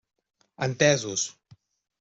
Entesos.